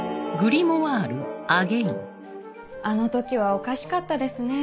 あの時はおかしかったですね。